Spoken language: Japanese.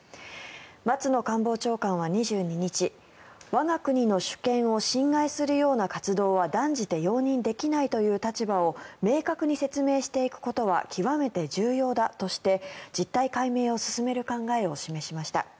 松野官房長官は２２日我が国の主権を侵害するような活動は断じて容認できないという立場を明確に説明していくことは極めて重要だとして実態解明を進める考えを示しました。